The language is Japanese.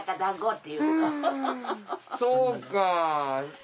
そうか。